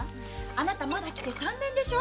あなたまだ来て三年でしょ？